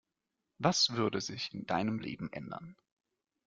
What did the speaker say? Was würde sich in deinem Leben ändern?